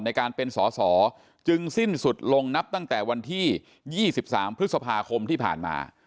ในการเป็นสอสอจึงสิ้นสุดลงนับตั้งแต่วันที่๒๓พฤษภาคมที่ผ่านมา